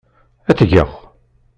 Ad t-geɣ.